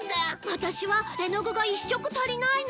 ワタシは絵の具が１色足りないの